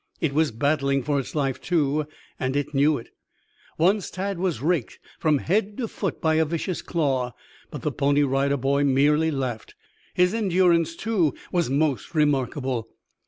It was battling for its life, too, and it knew it. Once Tad was raked from head to foot by a vicious claw, but the Pony Rider boy merely laughed. His endurance, too, was most remark able.